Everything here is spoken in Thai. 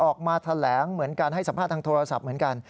ออกมาแถลงเหมือนการให้สัมภาษณ์ทางโทรศัพท์เหมือนกัน